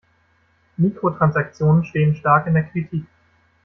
Mikrotransaktionen stehen stark in der Kritik.